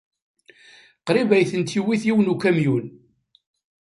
Qrib ay tent-iwit yiwen n ukamyun.